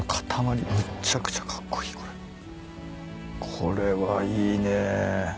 これはいいね。